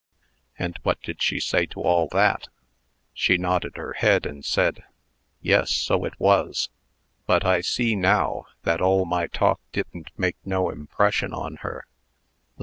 "And what did she say to all that?" "She nodded her head, and said, 'Yes, so it was;' but I see, now, that all my talk didn't make no impression on her."